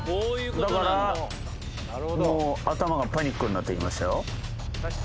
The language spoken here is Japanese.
だからもう、頭がパニックになってきましたよ。